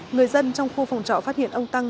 người dân trong khu phòng trọ phát hiện ông tăng